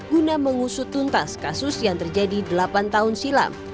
guna mengusut tuntas kasus yang terjadi delapan tahun silam